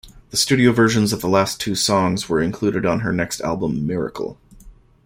The studio versions of last two songs were included on her next album "Miracle".